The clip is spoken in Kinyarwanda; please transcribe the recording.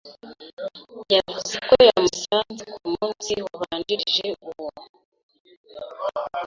Yavuze ko yamusanze ku munsi wabanjirije uwo.